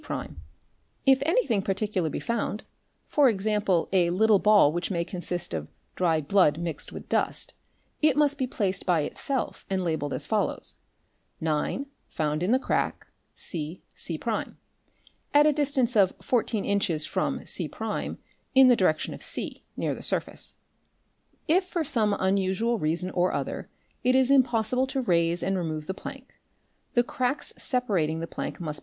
i If anything particular be found, for example a little ball which may consist of dried blood mixed with dust, it must be placed by itself and labelled as follows: 9 found in the crack cc', at a distance of 14 inches from c' in the direction of c, near the surface. , If for some unusual reason or other, it is impossible to raise and remove the plank, the cracks separating the plank must.